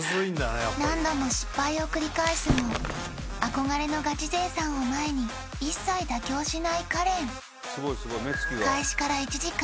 何度も失敗を繰り返すも憧れのガチ勢さんを前に一切妥協しないカレン開始から１時間